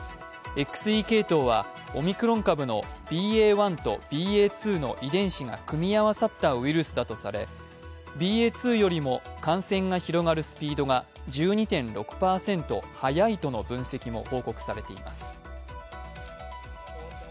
ＸＥ系統はオミクロン株のＢＡ．１とＢＡ．２の遺伝子が組み合わさったウイルスだとされ１２．６％早いとの分析も報告されています。